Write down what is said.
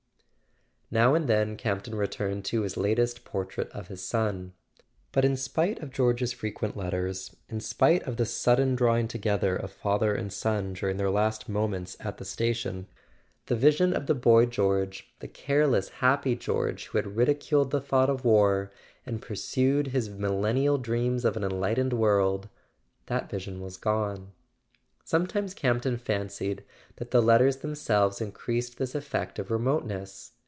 Now and then Campton returned to his latest portrait of his son; but in spite of George's frequent letters, in spite of the sudden drawing together of father and son during their last moments at the station, the vision of the boy George, the careless happy George who had ridiculed the thought of war and pursued his millennial dreams of an enlightened world—that vision was gone. Sometimes Campton fancied that the letters them¬ selves increased this effect of remoteness.